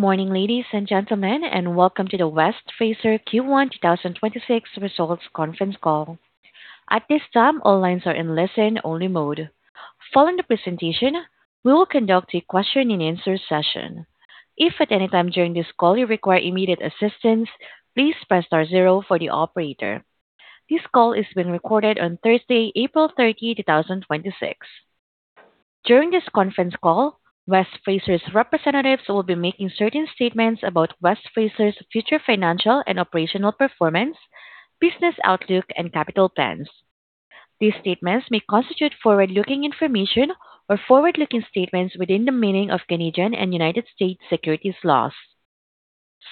Morning, ladies and gentlemen, welcome to the West Fraser Q1 2026 results conference call. At this time, all lines are in listen-only mode. Following the presentation, we will conduct a question-and-answer session. If at any time during this call you require immediate assistance, please press star zero for the operator. This call is being recorded on Thursday, April 30, 2026. During this conference call, West Fraser's representatives will be making certain statements about West Fraser's future financial and operational performance, business outlook, and capital plans. These statements may constitute forward-looking information or forward-looking statements within the meaning of Canadian and U.S. securities laws.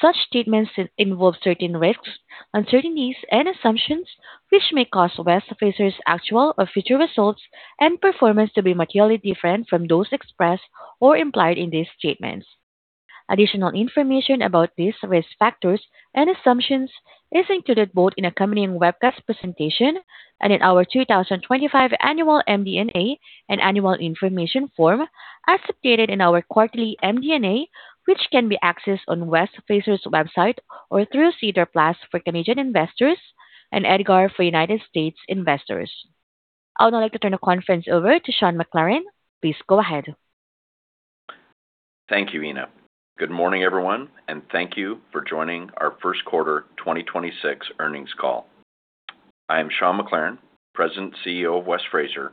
Such statements involve certain risks, uncertainties, and assumptions which may cause West Fraser's actual or future results and performance to be materially different from those expressed or implied in these statements. Additional information about these risk factors and assumptions is included both in accompanying webcast presentation and in our 2025 annual MD&A and annual information form as updated in our quarterly MD&A, which can be accessed on West Fraser's website or through SEDAR+ for Canadian investors and EDGAR for U.S. investors. I would now like to turn the conference over to Sean McLaren. Please go ahead. Thank you, Ina. Good morning, everyone, and thank you for joining our first quarter 2026 earnings call. I am Sean McLaren, President and CEO of West Fraser,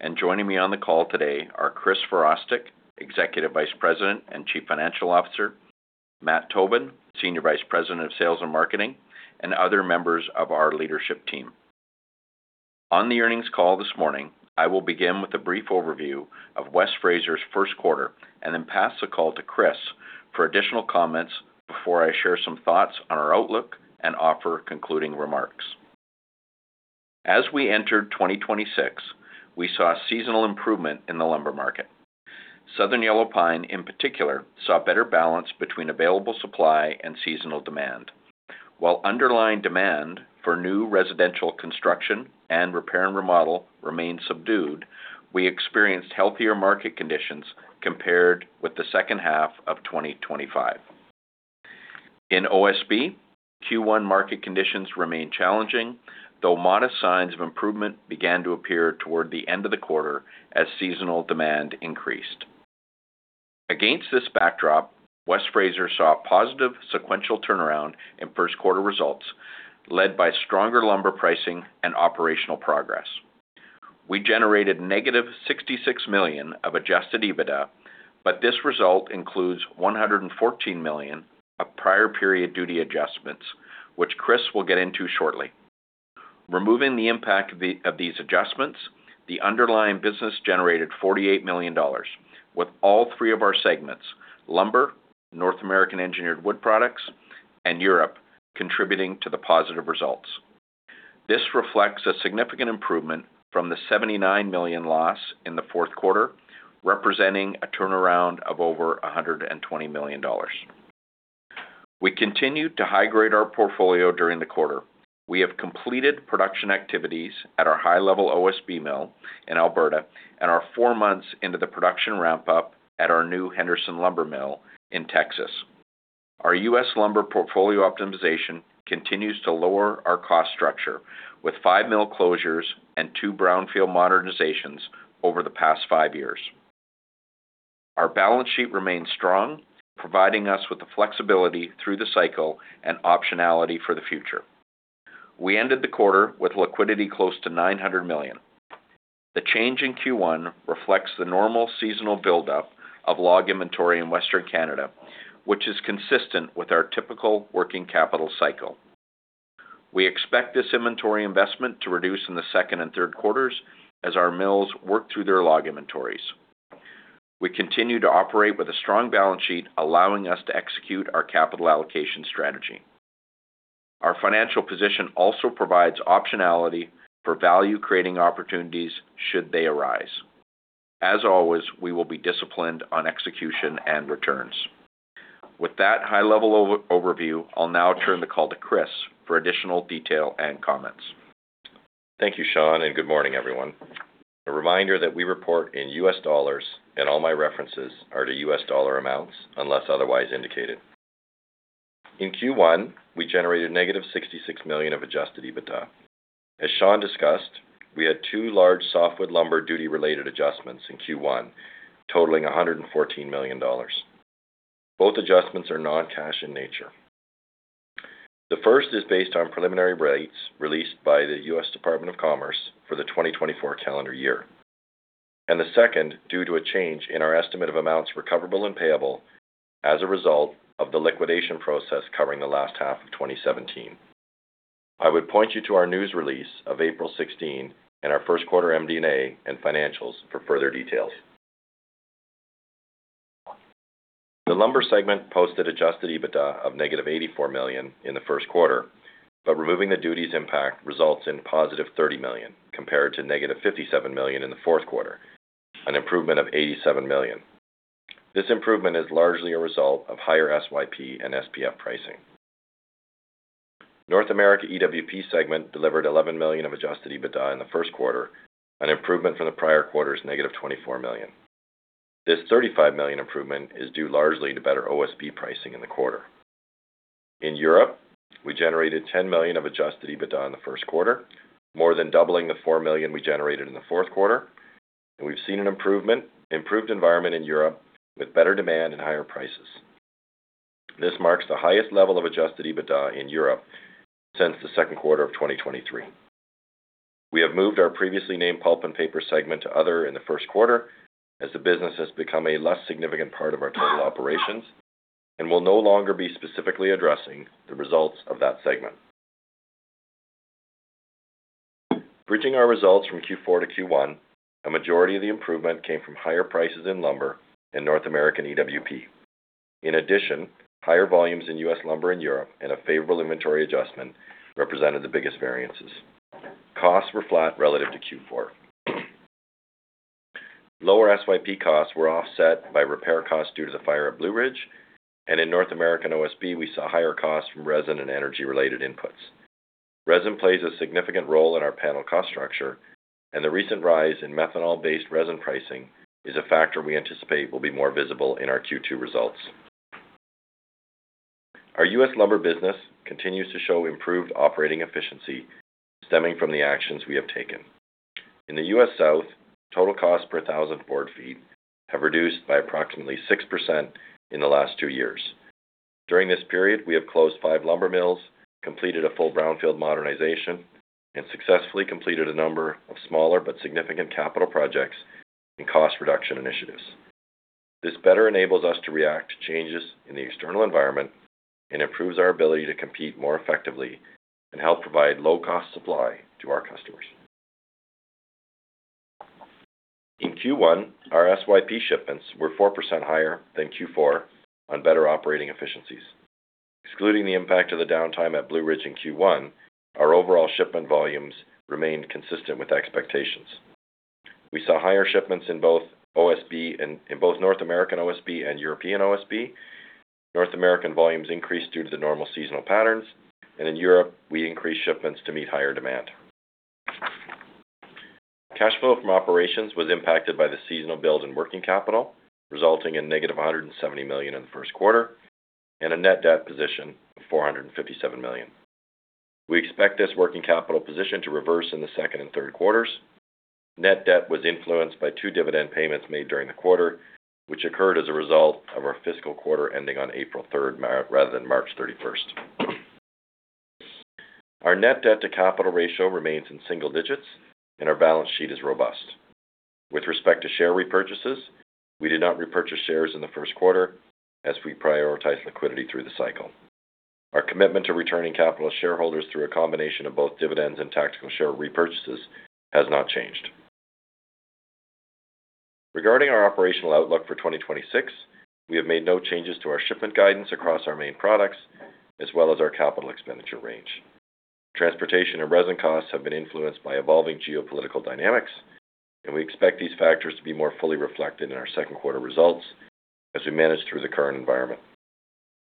and joining me on the call today are Chris Virostek, Executive Vice President and Chief Financial Officer, Matt Tobin, Senior Vice President of Sales and Marketing, and other members of our leadership team. On the earnings call this morning, I will begin with a brief overview of West Fraser's first quarter and then pass the call to Chris for additional comments before I share some thoughts on our outlook and offer concluding remarks. As we entered 2026, we saw a seasonal improvement in the lumber market. Southern Yellow Pine in particular, saw a better balance between available supply and seasonal demand. While underlying demand for new residential construction and repair and remodel remained subdued, we experienced healthier market conditions compared with the second half of 2025. In OSB, Q1 market conditions remained challenging, though modest signs of improvement began to appear toward the end of the quarter as seasonal demand increased. Against this backdrop, West Fraser saw a positive sequential turnaround in first quarter results, led by stronger lumber pricing and operational progress. We generated negative $66 million of Adjusted EBITDA, this result includes $114 million of prior period duty adjustments, which Chris will get into shortly. Removing the impact of these adjustments, the underlying business generated $48 million, with all three of our segments, lumber, North American Engineered Wood Products, and Europe, contributing to the positive results. This reflects a significant improvement from the $79 million loss in the fourth quarter, representing a turnaround of over $120 million. We continued to high-grade our portfolio during the quarter. We have completed production activities at our High Level OSB mill in Alberta and are four months into the production ramp-up at our new Henderson lumber mill in Texas. Our U.S. lumber portfolio optimization continues to lower our cost structure with five mill closures and two brownfield modernizations over the past five years. Our balance sheet remains strong, providing us with the flexibility through the cycle and optionality for the future. We ended the quarter with liquidity close to $900 million. The change in Q1 reflects the normal seasonal buildup of log inventory in Western Canada, which is consistent with our typical working capital cycle. We expect this inventory investment to reduce in the second and third quarters as our mills work through their log inventories. We continue to operate with a strong balance sheet, allowing us to execute our capital allocation strategy. Our financial position also provides optionality for value-creating opportunities should they arise. As always, we will be disciplined on execution and returns. With that high-level overview, I'll now turn the call to Chris for additional detail and comments. Thank you, Sean, and good morning, everyone. A reminder that we report in US dollars and all my references are to US dollar amounts unless otherwise indicated. In Q1, we generated -$66 million of Adjusted EBITDA. As Sean discussed, we had two large softwood lumber duty-related adjustments in Q1 totaling $114 million. Both adjustments are non-cash in nature. The first is based on preliminary rates released by the U.S. Department of Commerce for the 2024 calendar year, and the second due to a change in our estimate of amounts recoverable and payable as a result of the liquidation process covering the last half of 2017. I would point you to our news release of April 16 and our first quarter MD&A and financials for further details. The Lumber segment posted Adjusted EBITDA of negative $84 million in the first quarter, but removing the duties impact results in positive $30 million compared to negative $57 million in the fourth quarter, an improvement of $87 million. This improvement is largely a result of higher SYP and SPF pricing. North America EWP segment delivered $11 million of Adjusted EBITDA in the first quarter, an improvement from the prior quarter's negative $24 million. This $35 million improvement is due largely to better OSB pricing in the quarter. In Europe, we generated $10 million of Adjusted EBITDA in the first quarter, more than doubling the $4 million we generated in the fourth quarter, and we've seen an improved environment in Europe with better demand and higher prices. This marks the highest level of Adjusted EBITDA in Europe since the second quarter of 2023. We have moved our previously named Pulp and Paper segment to Other in the first quarter as the business has become a less significant part of our total operations and will no longer be specifically addressing the results of that segment. Bridging our results from Q4 to Q1, a majority of the improvement came from higher prices in lumber in North American EWP. In addition, higher volumes in U.S. lumber in Europe and a favorable inventory adjustment represented the biggest variances. Costs were flat relative to Q4. Lower SYP costs were offset by repair costs due to the fire at Blue Ridge, and in North American OSB, we saw higher costs from resin and energy-related inputs. Resin plays a significant role in our panel cost structure, and the recent rise in methanol-based resin pricing is a factor we anticipate will be more visible in our Q2 results. Our U.S. lumber business continues to show improved operating efficiency stemming from the actions we have taken. In the U.S. South, total cost per 1,000 board feet have reduced by approximately 6% in the last two years. During this period, we have closed five lumber mills, completed a full brownfield modernization, and successfully completed a number of smaller but significant capital projects and cost reduction initiatives. This better enables us to react to changes in the external environment and improves our ability to compete more effectively and help provide low-cost supply to our customers. In Q1, our SYP shipments were 4% higher than Q4 on better operating efficiencies. Excluding the impact of the downtime at Blue Ridge in Q1, our overall shipment volumes remained consistent with expectations. We saw higher shipments in both OSB and in both North American OSB and European OSB. North American volumes increased due to the normal seasonal patterns, and in Europe, we increased shipments to meet higher demand. Cash flow from operations was impacted by the seasonal builds in working capital, resulting in negative $170 million in the first quarter and a net debt position of $457 million. We expect this working capital position to reverse in the second and third quarters. Net debt was influenced by two dividend payments made during the quarter, which occurred as a result of our fiscal quarter ending on April third rather than March 31st. Our net debt to capital ratio remains in single digits, and our balance sheet is robust. With respect to share repurchases, we did not repurchase shares in the first quarter as we prioritize liquidity through the cycle. Our commitment to returning capital to shareholders through a combination of both dividends and tactical share repurchases has not changed. Regarding our operational outlook for 2026, we have made no changes to our shipment guidance across our main products as well as our capital expenditure range. Transportation and resin costs have been influenced by evolving geopolitical dynamics, and we expect these factors to be more fully reflected in our second quarter results as we manage through the current environment.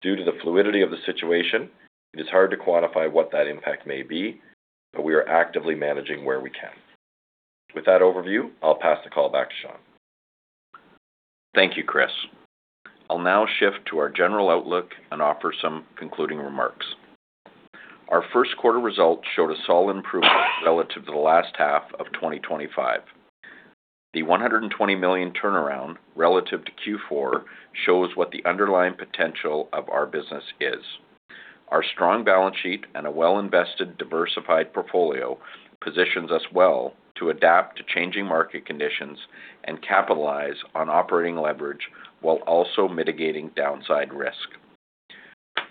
Due to the fluidity of the situation, it is hard to quantify what that impact may be, but we are actively managing where we can. With that overview, I'll pass the call back to Sean. Thank you, Chris. I'll now shift to our general outlook and offer some concluding remarks. Our first quarter results showed a solid improvement relative to the last half of 2025. The $120 million turnaround relative to Q4 shows what the underlying potential of our business is. Our strong balance sheet and a well-invested, diversified portfolio positions us well to adapt to changing market conditions and capitalize on operating leverage while also mitigating downside risk.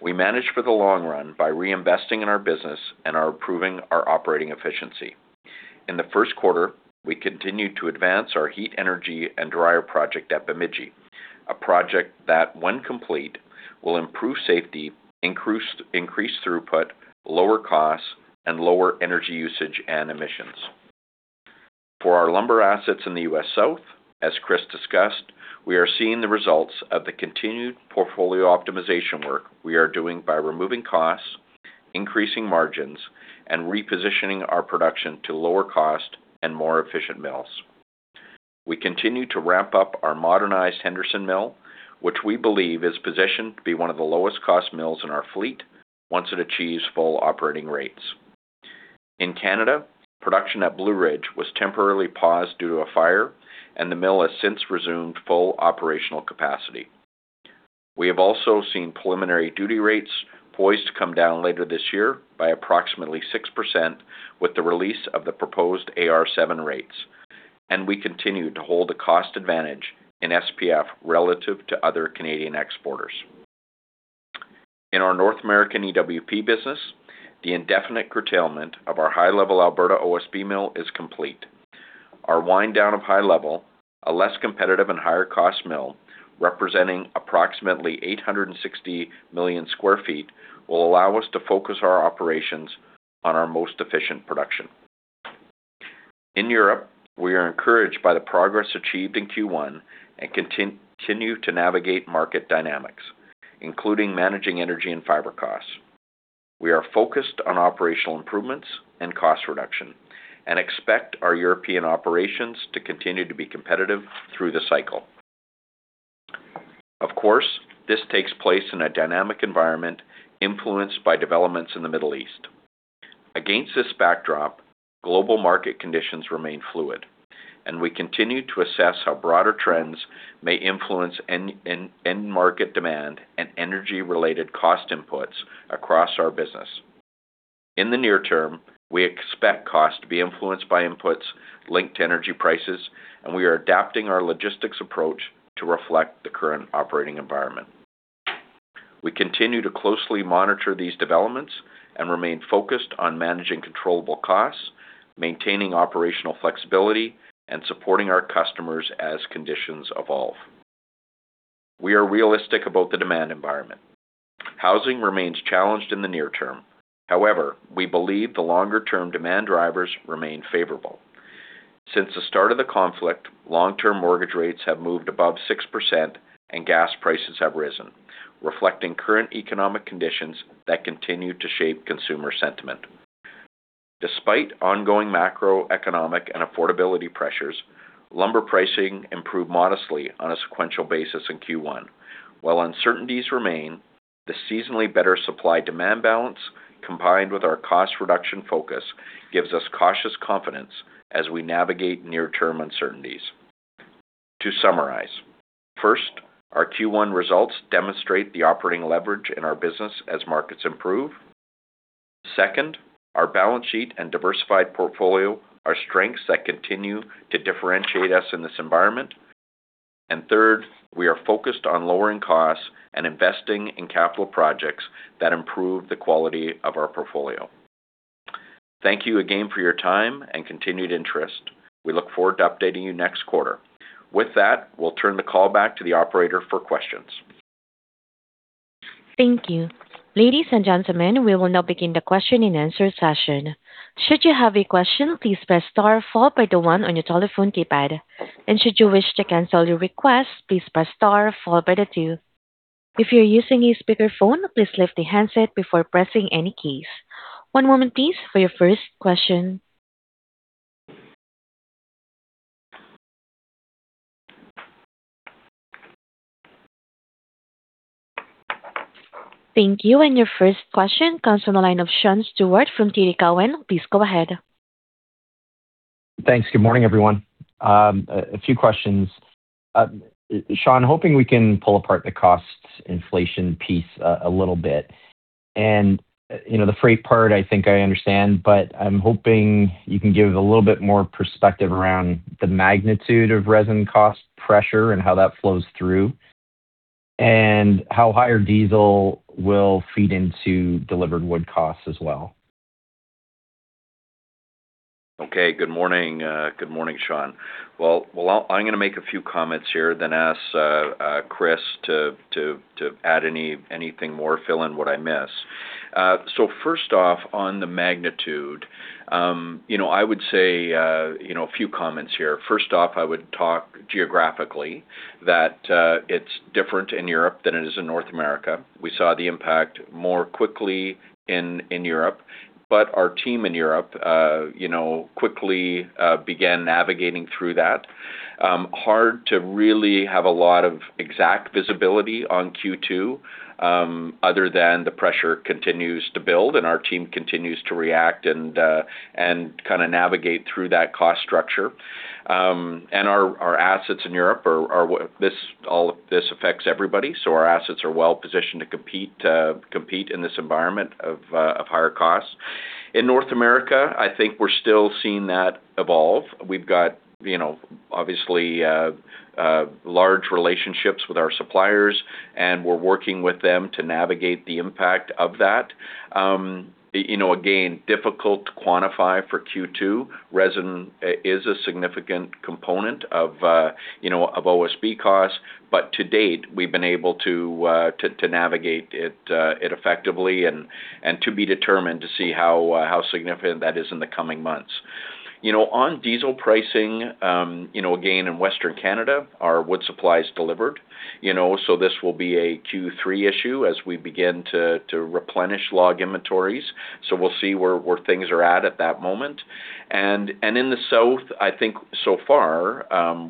We manage for the long run by reinvesting in our business and are improving our operating efficiency. In the first quarter, we continued to advance our heat energy and dryer project at Bemidji, a project that, when complete, will improve safety, increase throughput, lower costs, and lower energy usage and emissions. For our lumber assets in the U.S. South, as Chris discussed, we are seeing the results of the continued portfolio optimization work we are doing by removing costs, increasing margins, and repositioning our production to lower cost and more efficient mills. We continue to ramp up our modernized Henderson Mill, which we believe is positioned to be one of the lowest-cost mills in our fleet once it achieves full operating rates. In Canada, production at Blue Ridge was temporarily paused due to a fire, and the mill has since resumed full operational capacity. We have also seen preliminary duty rates poised to come down later this year by approximately 6% with the release of the proposed AR7 rates. We continue to hold a cost advantage in SPF relative to other Canadian exporters. In our North American EWP business, the indefinite curtailment of our High Level, Alberta OSB mill is complete. Our wind down of High Level, a less competitive and higher-cost mill representing approximately 860 million sq ft, will allow us to focus our operations on our most efficient production. In Europe, we are encouraged by the progress achieved in Q1 and continue to navigate market dynamics, including managing energy and fiber costs. We are focused on operational improvements and cost reduction and expect our European operations to continue to be competitive through the cycle. Of course, this takes place in a dynamic environment influenced by developments in the Middle East. Against this backdrop, global market conditions remain fluid, and we continue to assess how broader trends may influence end market demand and energy-related cost inputs across our business. In the near term, we expect costs to be influenced by inputs linked to energy prices, and we are adapting our logistics approach to reflect the current operating environment. We continue to closely monitor these developments and remain focused on managing controllable costs, maintaining operational flexibility, and supporting our customers as conditions evolve. We are realistic about the demand environment. Housing remains challenged in the near term. We believe the longer-term demand drivers remain favorable. Since the start of the conflict, long-term mortgage rates have moved above 6% and gas prices have risen, reflecting current economic conditions that continue to shape consumer sentiment. Despite ongoing macroeconomic and affordability pressures, lumber pricing improved modestly on a sequential basis in Q1. While uncertainties remain, the seasonally better supply-demand balance combined with our cost reduction focus gives us cautious confidence as we navigate near-term uncertainties. To summarize, first, our Q1 results demonstrate the operating leverage in our business as markets improve. Second, our balance sheet and diversified portfolio are strengths that continue to differentiate us in this environment. Third, we are focused on lowering costs and investing in capital projects that improve the quality of our portfolio. Thank you again for your time and continued interest. We look forward to updating you next quarter. With that, we will turn the call back to the operator for questions. Thank you. Ladies and gentlemen, we will now begin the question-and-answer session. Should you have a question, please press star followed by the one on your telephone keypad. Should you wish to cancel your request, please press star followed by the two. If you're using a speakerphone, please lift the handset before pressing any keys. One moment please for your first question. Thank you. Your first question comes from the line of Sean Steuart from TD Cowen. Please go ahead. Thanks. Good morning, everyone. A few questions. Sean, hoping we can pull apart the costs inflation piece a little bit. You know, the freight part I think I understand, but I'm hoping you can give a little bit more perspective around the magnitude of resin cost pressure and how that flows through and how higher diesel will feed into delivered wood costs as well. Okay. Good morning. Good morning, Sean. I'm gonna make a few comments here then ask Chris to add anything more, fill in what I miss. First off, on the magnitude, you know, I would say, you know, a few comments here. First off, I would talk geographically that it's different in Europe than it is in North America. We saw the impact more quickly in Europe, but our team in Europe, you know, quickly began navigating through that. Hard to really have a lot of exact visibility on Q2, other than the pressure continues to build and our team continues to react and kinda navigate through that cost structure. Our assets in Europe are, all of this affects everybody. Our assets are well-positioned to compete in this environment of higher costs. In North America, I think we're still seeing that evolve. We've got, you know, obviously, large relationships with our suppliers. We're working with them to navigate the impact of that. You know, again, difficult to quantify for Q2. Resin is a significant component of, you know, of OSB costs. To date, we've been able to navigate it effectively and to be determined to see how significant that is in the coming months. You know, on diesel pricing, again, in Western Canada, our wood supply is delivered, you know, this will be a Q3 issue as we begin to replenish log inventories. We'll see where things are at at that moment. In the South, I think so far,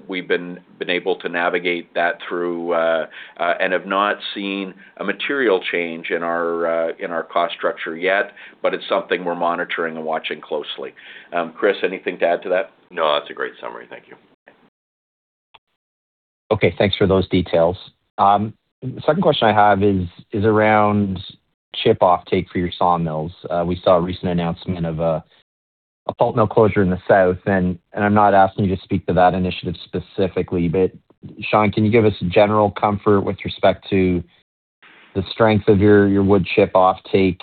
we've been able to navigate that through and have not seen a material change in our cost structure yet, but it's something we're monitoring and watching closely. Chris, anything to add to that? No, that's a great summary. Thank you. Okay. Thanks for those details. Second question I have is around chip offtake for your sawmills. We saw a recent announcement of a sawmill closure in the South, and I'm not asking you to speak to that initiative specifically, but Sean, can you give us general comfort with respect to the strength of your wood chip offtake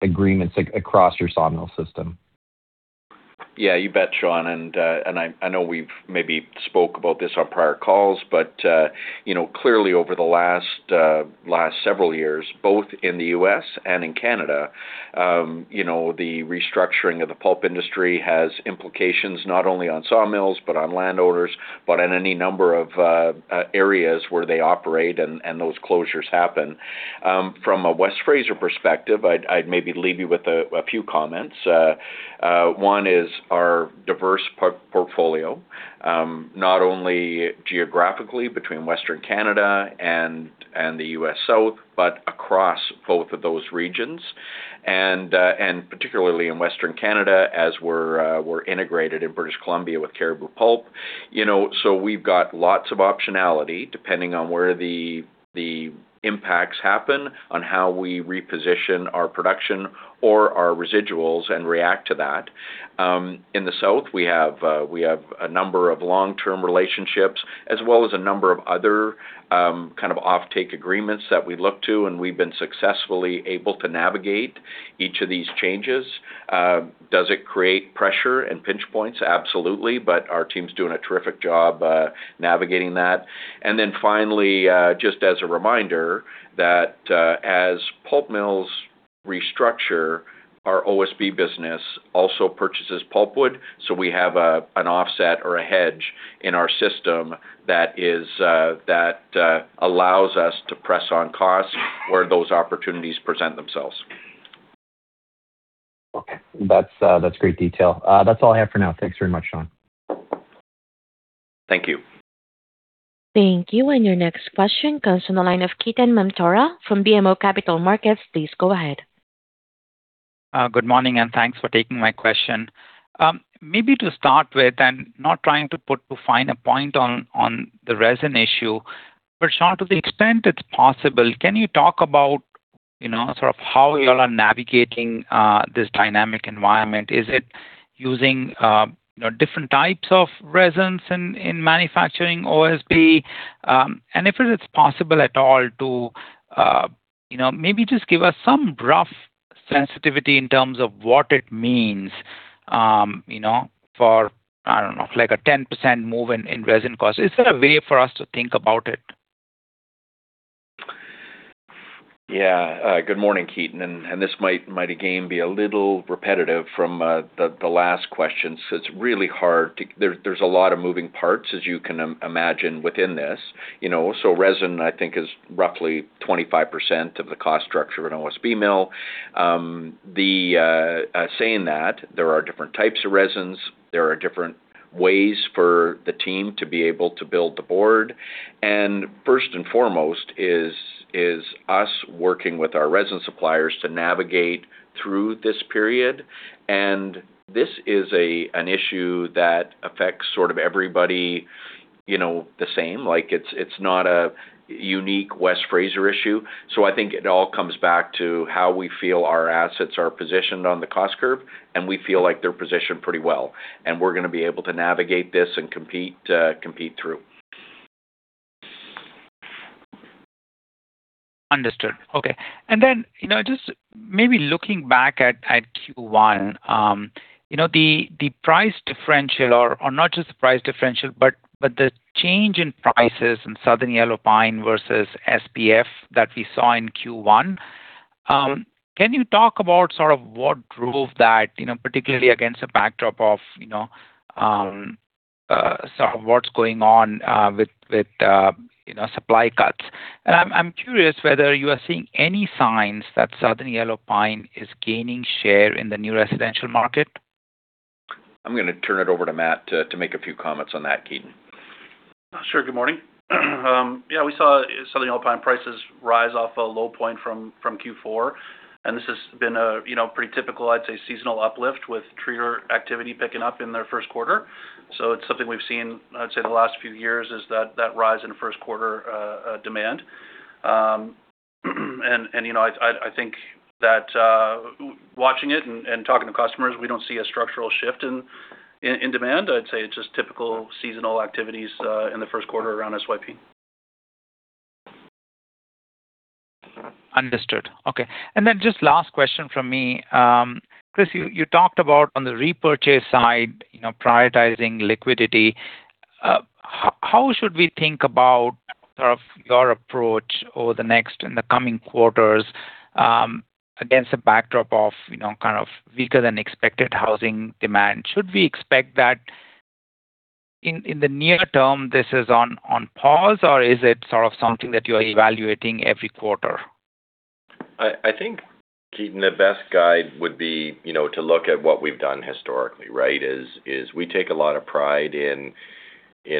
agreements across your sawmill system? Yeah, you bet, Sean. I know we've maybe spoke about this on prior calls, but, you know, clearly over the last several years, both in the U.S. and in Canada, you know, the restructuring of the pulp industry has implications not only on sawmills, but on landowners, but in any number of areas where they operate and those closures happen. From a West Fraser perspective, I'd maybe leave you with a few comments. One is our diverse portfolio, not only geographically between Western Canada and the U.S. South, but across both of those regions, and particularly in Western Canada as we're integrated in British Columbia with Cariboo Pulp. You know, we've got lots of optionality depending on where the impacts happen on how we reposition our production or our residuals and react to that. In the South, we have a number of long-term relationships as well as a number of other kind of offtake agreements that we look to, and we've been successfully able to navigate each of these changes. Does it create pressure and pinch points? Absolutely. Our team's doing a terrific job navigating that. Finally, just as a reminder that as pulp mills restructure our OSB business also purchases pulpwood, so we have an offset or a hedge in our system that allows us to press on costs where those opportunities present themselves. Okay. That's great detail. That's all I have for now. Thanks very much, Sean. Thank you. Thank you. Your next question comes from the line of Ketan Mamtora from BMO Capital Markets. Please go ahead. Good morning, thanks for taking my question. Maybe to start with, not trying to put too fine a point on the resin issue. Sean, to the extent it's possible, can you talk about sort of how you all are navigating this dynamic environment? Is it using different types of resins in manufacturing OSB? If it is possible at all to maybe just give us some rough sensitivity in terms of what it means for, I don't know, like a 10% move in resin cost. Is there a way for us to think about it? Yeah. Good morning, Ketan. This might again be a little repetitive from the last question. There's a lot of moving parts, as you can imagine within this. You know, resin, I think, is roughly 25% of the cost structure of an OSB mill. Saying that, there are different types of resins, there are different ways for the team to be able to build the board. First and foremost is us working with our resin suppliers to navigate through this period. This is an issue that affects sort of everybody, you know, the same. Like, it's not a unique West Fraser issue. I think it all comes back to how we feel our assets are positioned on the cost curve, and we feel like they're positioned pretty well, and we're gonna be able to navigate this and compete through. Understood. Okay. Just maybe looking back at Q1, the price differential or not just the price differential, but the change in prices in Southern Yellow Pine versus SPF that we saw in Q1, can you talk about sort of what drove that particularly against the backdrop of what's going on with supply cuts? I'm curious whether you are seeing any signs that Southern Yellow Pine is gaining share in the new residential market. I'm gonna turn it over to Matt to make a few comments on that, Ketan. Sure. Good morning. Yeah, we saw Southern Yellow Pine prices rise off a low point from Q4. This has been a, you know, pretty typical, I'd say, seasonal uplift with tree activity picking up in their first quarter. It's something we've seen, I'd say, the last few years, is that rise in first quarter demand. You know, I think that watching it and talking to customers, we don't see a structural shift in demand. I'd say it's just typical seasonal activities in the first quarter around SYP. Understood. Okay. Then just last question from me. Chris, you talked about on the repurchase side, you know, prioritizing liquidity. How should we think about sort of your approach over the next and the coming quarters, against the backdrop of, you know, kind of weaker than expected housing demand? Should we expect that in the near term this is on pause, or is it sort of something that you are evaluating every quarter? I think, Ketan, the best guide would be, you know, to look at what we've done historically, right? We take a lot of pride in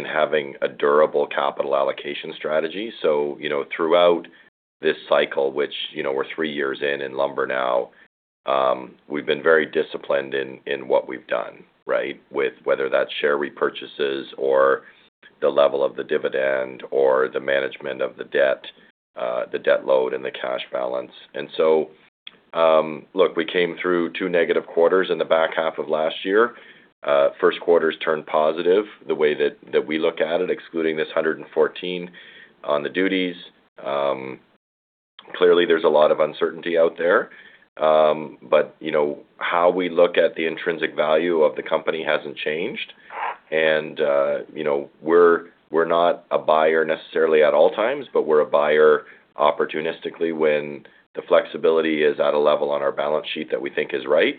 having a durable capital allocation strategy. You know, throughout this cycle, which, you know, we're three years in lumber now, we've been very disciplined in what we've done, right? With whether that's share repurchases or the level of the dividend or the management of the debt, the debt load and the cash balance. Look, we came through two negative quarters in the back half of last year. First quarters turned positive the way that we look at it, excluding this $114 million on the duties. Clearly there's a lot of uncertainty out there. You know, how we look at the intrinsic value of the company hasn't changed. You know, we're not a buyer necessarily at all times, but we're a buyer opportunistically when the flexibility is at a level on our balance sheet that we think is right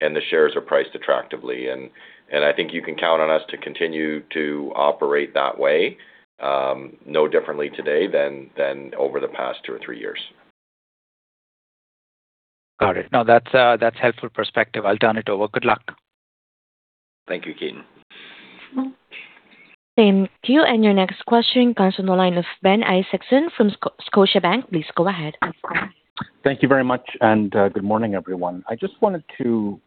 and the shares are priced attractively. I think you can count on us to continue to operate that way, no differently today than over the past two or three years. Got it. No, that's helpful perspective. I'll turn it over. Good luck. Thank you, Ketan. Thank you. Your next question comes from the line of Ben Isaacson from Scotiabank. Please go ahead. Thank you very much, good morning, everyone. I just wanted to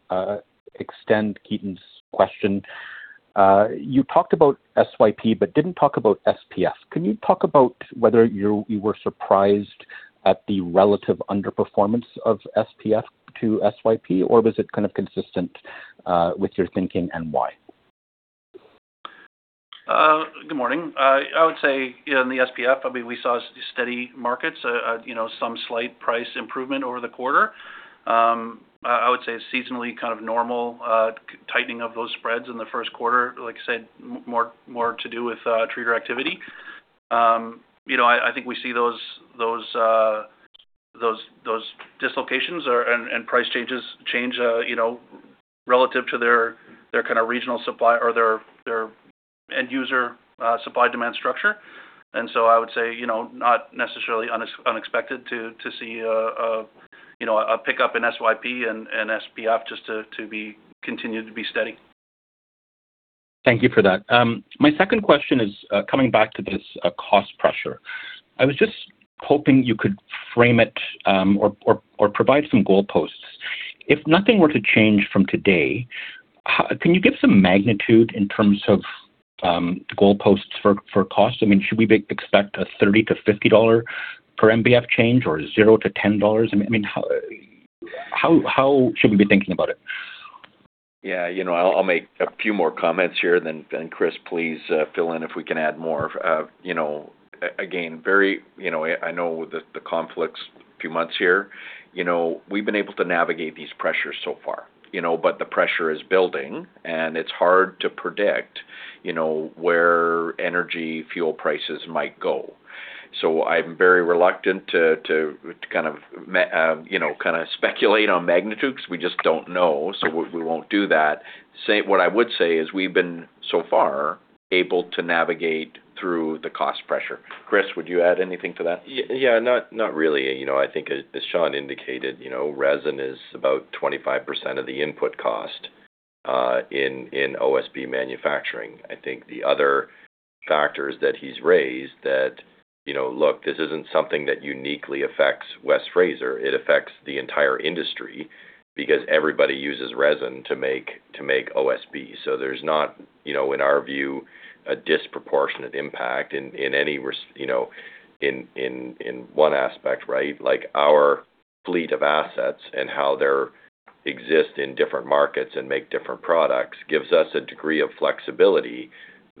extend Ketan's question. You talked about SYP didn't talk about SPF. Can you talk about whether you were surprised at the relative underperformance of SPF to SYP, or was it kind of consistent with your thinking and why? Good morning. I would say in the SPF, I mean, we saw steady markets, you know, some slight price improvement over the quarter. I would say seasonally kind of normal tightening of those spreads in the first quarter, like I said, more to do with trader activity. You know, I think we see those dislocations and price changes change, you know, relative to their kind of regional supply or their end user supply demand structure. I would say, you know, not necessarily unexpected to see, you know, a pickup in SYP and SPF just to be continued to be steady. Thank you for that. My second question is, coming back to this cost pressure. I was just hoping you could frame it, or provide some goalposts. If nothing were to change from today, can you give some magnitude in terms of the goalposts for cost? I mean, should we expect a 30-50 dollar per MBF change or 0-10 dollars? I mean, how should we be thinking about it? Yeah, you know, I'll make a few more comments here then Chris, please fill in if we can add more. You know, again. You know, I know the conflicts few months here. You know, we've been able to navigate these pressures so far, you know. The pressure is building, and it's hard to predict, you know, where energy fuel prices might go. I'm very reluctant to kind of, you know, speculate on magnitude because we just don't know, so we won't do that. What I would say is we've been so far able to navigate through the cost pressure. Chris, would you add anything to that? Yeah, not really. You know, I think as Sean indicated, you know, resin is about 25% of the input cost in OSB manufacturing. I think the other factors that he's raised that, you know, look, this isn't something that uniquely affects West Fraser. It affects the entire industry because everybody uses resin to make OSB. There's not, you know, in our view, a disproportionate impact in any you know, in one aspect, right? Like our fleet of assets and how they exist in different markets and make different products gives us a degree of flexibility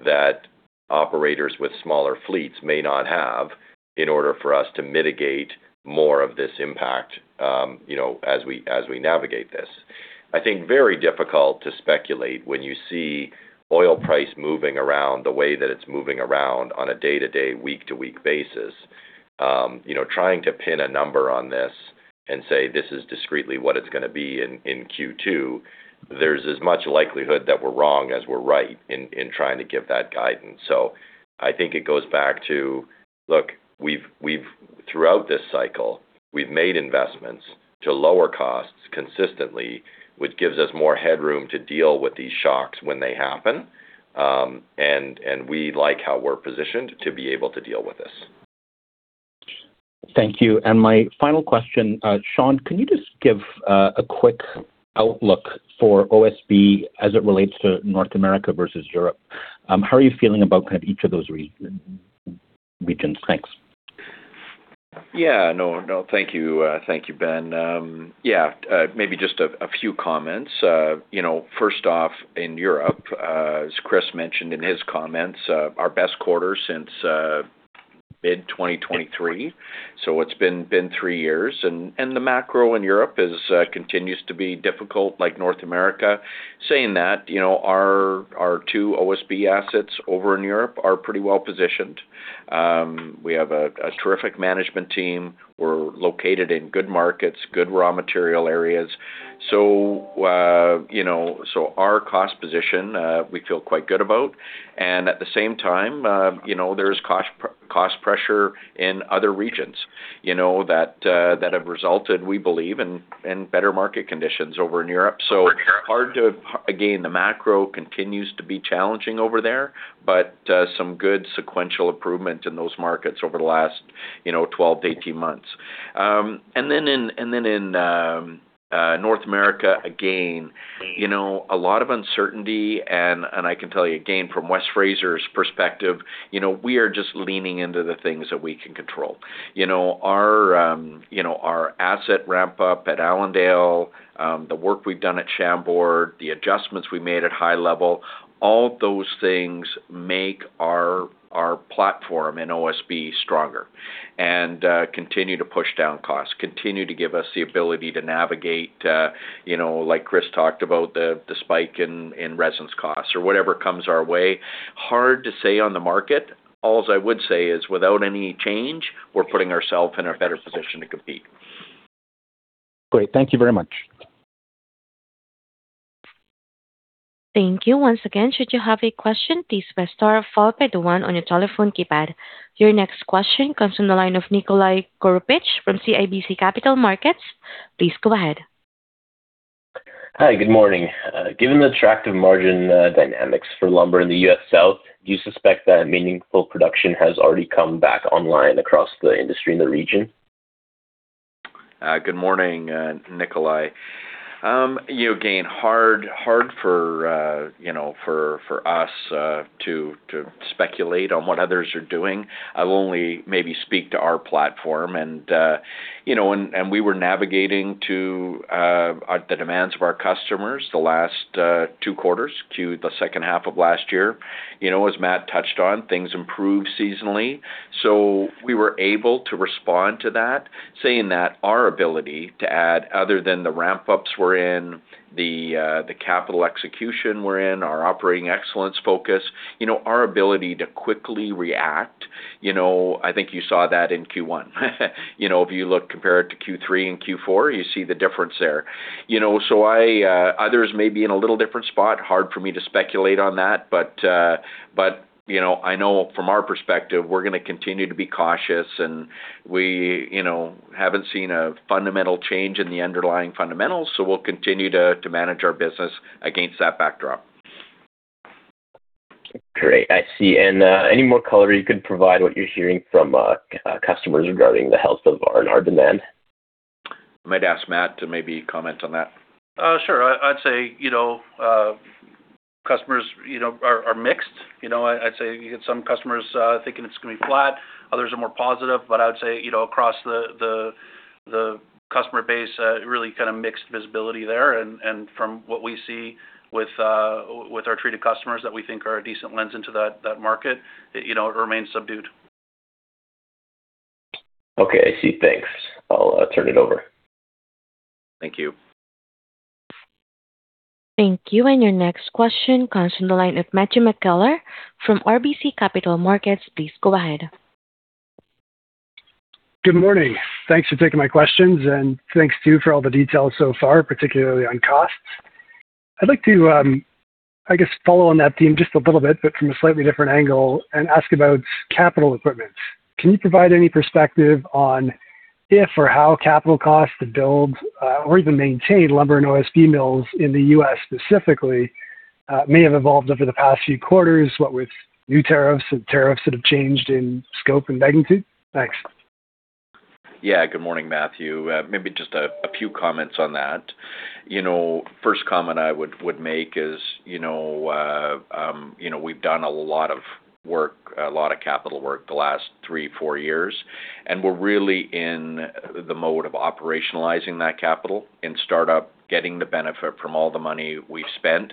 that operators with smaller fleets may not have in order for us to mitigate more of this impact, you know, as we navigate this. I think very difficult to speculate when you see oil price moving around the way that it's moving around on a day-to-day, week-to-week basis. You know, trying to pin a number on this and say, "This is discreetly what it's gonna be in Q2," there's as much likelihood that we're wrong as we're right in trying to give that guidance. I think it goes back to, look, we've throughout this cycle, we've made investments to lower costs consistently, which gives us more headroom to deal with these shocks when they happen. We like how we're positioned to be able to deal with this. Thank you. My final question, Sean, can you just give a quick outlook for OSB as it relates to North America versus Europe? How are you feeling about kind of each of those regions? Thanks. Yeah. No, no. Thank you. Thank you, Ben. Yeah, maybe just a few comments. You know, first off, in Europe, as Chris mentioned in his comments, our best quarter since mid 2023. It's been three years. The macro in Europe continues to be difficult like North America. Saying that, you know, our two OSB assets over in Europe are pretty well positioned. We have a terrific management team. We're located in good markets, good raw material areas. You know, so our cost position, we feel quite good about. At the same time, you know, there's cost pressure in other regions, you know, that have resulted, we believe, in better market conditions over in Europe. The macro continues to be challenging over there, but some good sequential improvement in those markets over the last, you know, 12-18 months. Then in North America, you know, a lot of uncertainty, and I can tell you again from West Fraser's perspective, you know, we are just leaning into the things that we can control. You know, our, you know, our asset ramp up at Allendale, the work we've done at Chambord, the adjustments we made at High Level, all those things make our platform in OSB stronger and continue to push down costs, continue to give us the ability to navigate, you know, like Chris talked about the spike in resins costs or whatever comes our way. Hard to say on the market. All I would say is, without any change, we're putting ourselves in a better position to compete. Great. Thank you very much. Thank you. Once again, should you have a question, please press star followed by one on your telephone keypad. Your next question comes from the line of Nikolai Goroupich from CIBC Capital Markets. Please go ahead. Hi. Good morning. Given the attractive margin dynamics for lumber in the U.S. South, do you suspect that meaningful production has already come back online across the industry in the region? Good morning, Nikolai. You know, again, hard for, you know, for us to speculate on what others are doing. I'll only maybe speak to our platform and, you know, and we were navigating to the demands of our customers the last two quarters to the second half of last year. You know, as Matt touched on, things improved seasonally. We were able to respond to that. Saying that, our ability to add other than the ramp-ups we're in, the capital execution we're in, our operating excellence focus, you know, our ability to quickly react, you know, I think you saw that in Q1. You know, if you look compared to Q3 and Q4, you see the difference there. You know, others may be in a little different spot, hard for me to speculate on that, but, you know, I know from our perspective we're gonna continue to be cautious and we, you know, haven't seen a fundamental change in the underlying fundamentals, so we'll continue to manage our business against that backdrop. Great. I see. Any more color you could provide what you're hearing from customers regarding the health of our demand? Might ask Matt to maybe comment on that. Sure. I'd say, you know, customers, you know, are mixed. You know, I'd say you get some customers, thinking it's gonna be flat, others are more positive. I would say, you know, across the, the customer base, really kind of mixed visibility there. From what we see with our treated customers that we think are a decent lens into that market, you know, it remains subdued. Okay, I see. Thanks. I'll turn it over. Thank you. Thank you. Your next question comes from the line of Matthew McKellar from RBC Capital Markets. Please go ahead. Good morning. Thanks for taking my questions, and thanks to you for all the details so far, particularly on costs. I'd like to, I guess, follow on that theme just a little bit, but from a slightly different angle, and ask about capital equipment. Can you provide any perspective on if or how capital costs to build, or even maintain lumber and OSB mills in the U.S. specifically, may have evolved over the past few quarters, what with new tariffs and tariffs that have changed in scope and magnitude? Thanks. Yeah. Good morning, Matthew. Maybe just a few comments on that. You know, first comment I would make is, you know, we've done a lot of work, a lot of capital work the last three, four years, and we're really in the mode of operationalizing that capital and start up getting the benefit from all the money we've spent.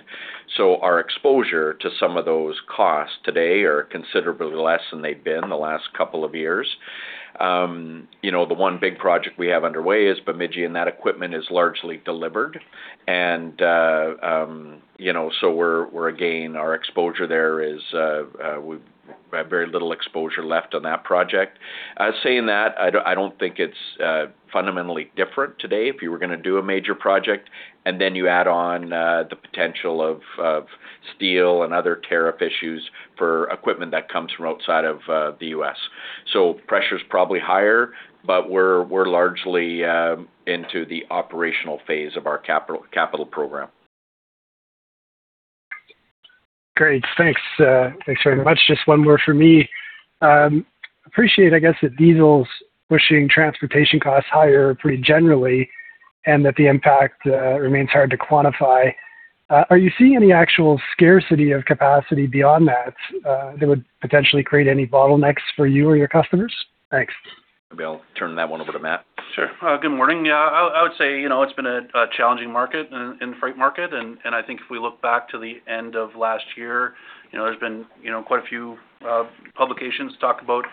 Our exposure to some of those costs today are considerably less than they've been the last couple of years. You know, the 1 big project we have underway is Bemidji, and that equipment is largely delivered. You know, we're again, our exposure there is, we've very little exposure left on that project. Saying that, I don't, I don't think it's fundamentally different today if you were gonna do a major project and then you add on the potential of steel and other tariff issues for equipment that comes from outside of the U.S. Pressure's probably higher, but we're largely into the operational phase of our capital program. Great. Thanks. Thanks very much. Just one more from me. Appreciate I guess that diesel's pushing transportation costs higher pretty generally and that the impact remains hard to quantify. Are you seeing any actual scarcity of capacity beyond that that would potentially create any bottlenecks for you or your customers? Thanks. Maybe I'll turn that one over to Matt. Sure. Good morning. Yeah, I would say, you know, it's been a challenging market in freight market and I think if we look back to the end of last year, you know, there's been, you know, quite a few publications talk about,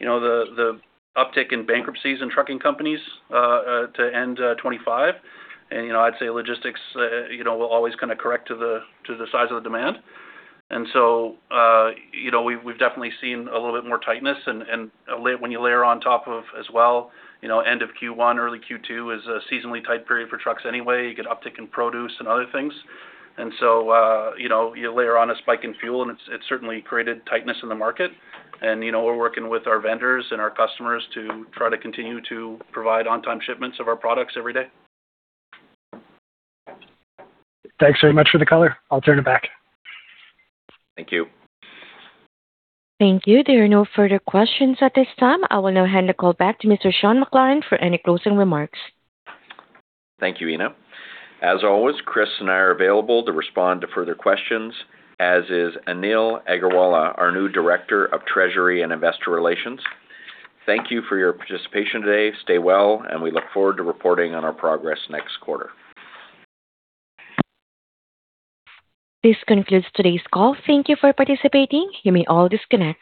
you know, the uptick in bankruptcies in trucking companies to end 2025. You know, I'd say logistics, you know, will always kind of correct to the size of the demand. You know, we've definitely seen a little bit more tightness and when you layer on top of as well, you know, end of Q1, early Q2 is a seasonally tight period for trucks anyway. You get uptick in produce and other things. You know, you layer on a spike in fuel, and it's certainly created tightness in the market. You know, we're working with our vendors and our customers to try to continue to provide on-time shipments of our products every day. Thanks very much for the color. I'll turn it back. Thank you. Thank you. There are no further questions at this time. I will now hand the call back to Mr. Sean McLaren for any closing remarks. Thank you, Ina. As always, Chris and I are available to respond to further questions, as is Anil Aggarwal, our new Director of Treasury and Investor Relations. Thank you for your participation today. Stay well, and we look forward to reporting on our progress next quarter. This concludes today's call. Thank Thank you for participating. You may all disconnect.